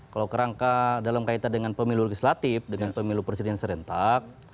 kalau kerangka dalam kaitan dengan pemilu legislatif dengan pemilu presiden serentak